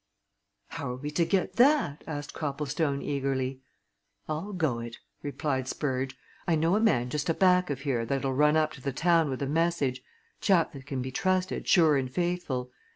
"How are we to get that?" asked Copplestone, eagerly. "I'll go it," replied Spurge. "I know a man just aback of here that'll run up to the town with a message chap that can be trusted, sure and faithful.